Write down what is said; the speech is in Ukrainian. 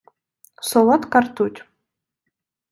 Солодка ртуть...